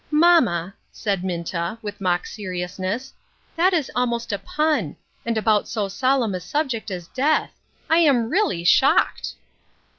" Mamma," said Minta, with mock seriousness, " that is almost a pun ; and about so solemn a sub ject as death. I am really shocked